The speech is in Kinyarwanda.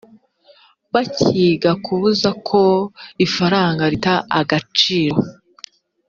bakiga kubuza ko ifaranga rita agaciro